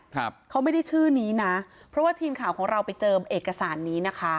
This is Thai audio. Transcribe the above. ครับเขาไม่ได้ชื่อนี้นะเพราะว่าทีมข่าวของเราไปเจิมเอกสารนี้นะคะ